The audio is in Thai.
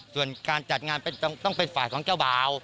ส่วนการจัดงานต้องเป็นฝ่ายของเจ้าบ่าว